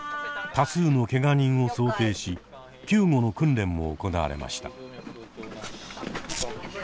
多数のけが人を想定し救護の訓練も行われました。